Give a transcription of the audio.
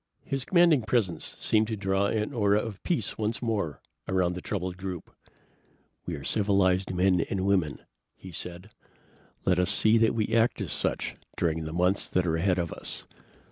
His commanding presence seemed to draw an aura of peace once more around the troubled group. "We are civilized men and women," he said. "Let us see that we act as such during the months that are ahead of us.